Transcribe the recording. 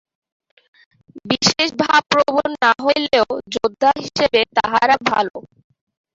বিশেষ ভাবপ্রবণ না হইলেও যোদ্ধা হিসাবে তাহারা ভাল।